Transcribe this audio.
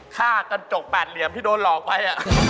ฆ่ากระจกแปดเหลี่ยมที่โดนหลอกไป